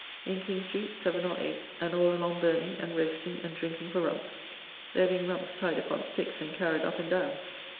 In King street seven or eight; and all along burning, and roasting, and drinking for rumps. There being rumps tied upon sticks and carried up and down.